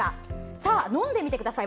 さあ、飲んでみてください。